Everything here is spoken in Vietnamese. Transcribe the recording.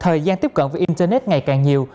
thời gian tiếp cận với internet ngày càng nhiều